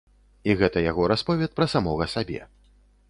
І гэта яго расповед пра самога сабе.